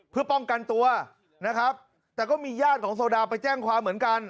เพื่อป้องกันตัวนะครับแต่ก็มีญาติของโซดาไปแจ้งความเหมือนกัน